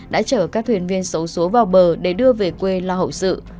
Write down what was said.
đã chở các thuyền viên xấu xố vào bờ để đưa về quê lo hậu sự